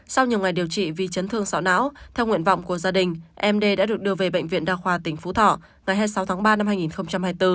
sau nhiều ngày điều trị vì chấn thương sọ não theo nguyện vọng của gia đình em đê đã được đưa về bệnh viện đa khoa tỉnh phú thọ ngày hai mươi sáu tháng ba năm hai nghìn hai mươi bốn